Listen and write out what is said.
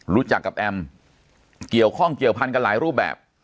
รู้จักกับแอมเกี่ยวข้องเกี่ยวพันกันหลายรูปแบบ